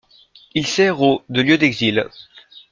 Il sert au de lieu d'exil.